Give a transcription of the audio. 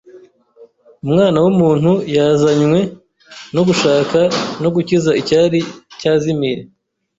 Umwana w’umuntu yazanywe no gushaka no gukiza icyari cyazimiye"